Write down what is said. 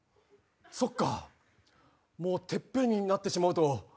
そっかてっぺんになってしまうと。